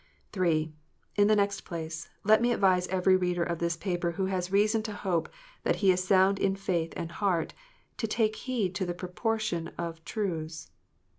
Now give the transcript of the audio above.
(3) In the next place, let me advise every reader of this paper who has reason to hope that he is sound in faith and heart, to take heed to the proportion of truths.